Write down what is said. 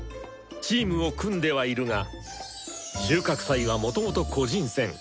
チームを組んではいるが収穫祭はもともと個人戦。